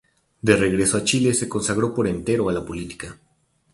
De regresó a Chile, se consagró por entero a la política.